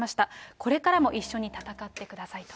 これからも一緒に戦ってくださいと。